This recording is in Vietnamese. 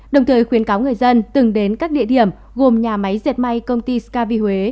đồng thời khuyến cáo người dân từng đến các địa điểm gồm nhà máy dệt may công ty scav huế